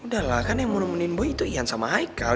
udah lah kan yang mau nemenin boy itu ian sama aikal